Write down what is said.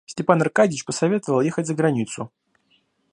Степан Аркадьич посоветовал ехать за границу.